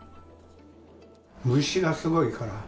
虫がすごいから。